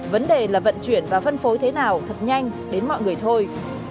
vấn đề là vận chuyển và phân phối thế nào thật nhanh đến mọi người thôi